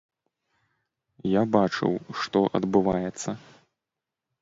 Я бачыў, што адбываецца.